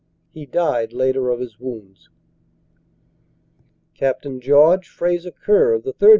He died later of his wounds. Capt. George Fraser Kerr, of the 3rd.